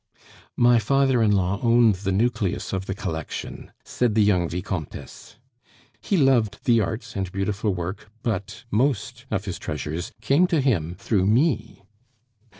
"My father in law owned the nucleus of the collection," said the young Vicomtess; "he loved the arts and beautiful work, but most of his treasures came to him through me."